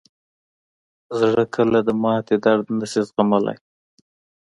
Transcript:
زړه کله د ماتې درد نه شي زغملی.